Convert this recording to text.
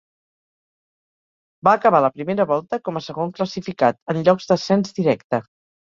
Va acabar la primera volta com a segon classificat, en llocs d'ascens directe.